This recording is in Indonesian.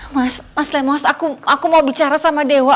mas mas lemos aku mau bicara sama dewa